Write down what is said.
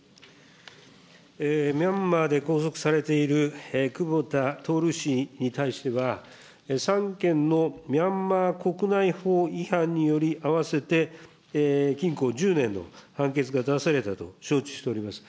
ミャンマーで拘束されている久保田徹氏に対しては、３件のミャンマー国内法違反により、合わせて禁錮１０年の判決が出されたと承知しております。